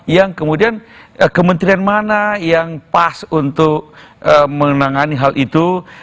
yang kemudian kementerian mana yang pas untuk menangani hal itu